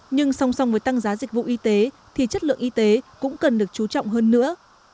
nhưng song song với tăng giá dịch vụ y tế thì chất lượng y tế cũng cần được chú trọng hơn nữa